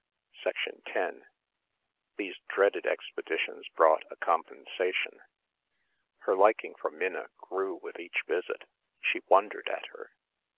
10 These dreaded expeditions brought a compensation. Her liking for Minna grew with each visit. She wondered at her.